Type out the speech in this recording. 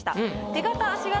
手形足形